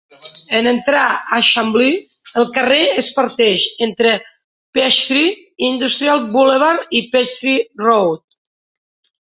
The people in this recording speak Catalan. En entrar a Chamblee, el carrer es parteix entre Peachtree Industrial Boulevard i Peachtree Road.